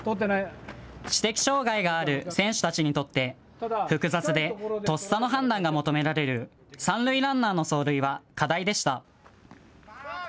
知的障害がある選手たちにとって複雑でとっさの判断が求められる三塁ランナーの走塁は課題でした。